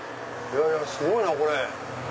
すごいなぁこれ。